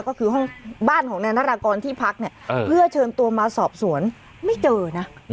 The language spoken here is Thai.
ก็คือห้องบ้านของนายนารากรที่พักเนี่ยเพื่อเชิญตัวมาสอบสวนไม่เจอนะ